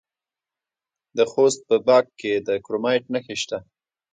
د خوست په باک کې د کرومایټ نښې شته.